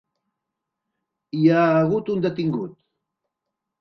Hi ha hagut un detingut.